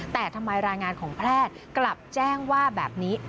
แต่ทำไมรายงานของแพทย์กลับแจ้งว่าแบบนี้